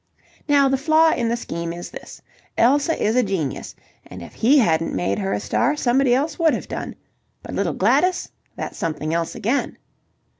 "Now, the flaw in the scheme is this. Elsa is a genius, and if he hadn't made her a star somebody else would have done. But little Gladys? That's something else again."